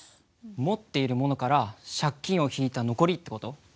持っているものから借金を引いた残りって事？